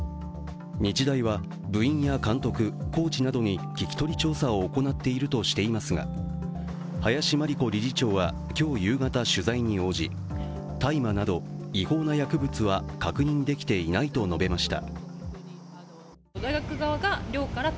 日大は、部員や監督、コーチなどに聞き取り調査を行っているとしていますが林真理子理事長は今日夕方、取材に応じ大麻など、違法な薬物は確認できていないと述べました。